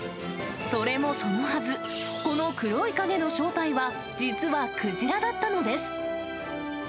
それもそのはず、この黒い影の正体は、実はクジラだったのです。